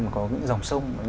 mà có những dòng sông